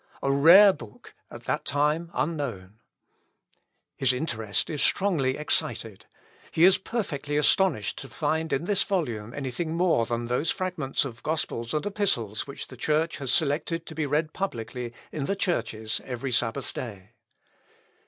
a rare book, at that time unknown. His interest is strongly excited; he is perfectly astonished to find in this volume any thing more than those fragments of gospels and epistles which the Church has selected to be read publicly in the churches every Sabbath day.